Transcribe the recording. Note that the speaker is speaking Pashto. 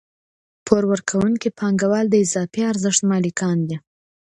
پور ورکوونکي پانګوال د اضافي ارزښت مالکان دي